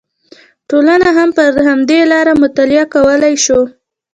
ټولنه هم پر همدې لاره مطالعه کولی شو